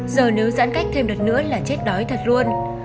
giờ nếu giãn cách thêm đợt nữa là chết đói thật luôn